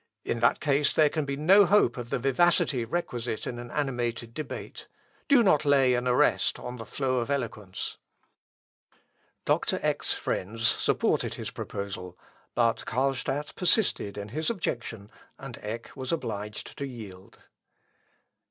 In that case there can be no hope of the vivacity requisite in an animated debate. Do not lay an arrest on the flow of eloquence." Melancth. Op. i, p. 139. (Kœthe ed.) Dr. Eck's friends supported his proposal, but Carlstadt persisted in his objection, and Eck was obliged to yield.